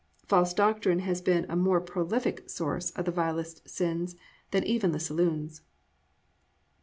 False doctrine has been a more prolific source of the vilest sins than even the saloons.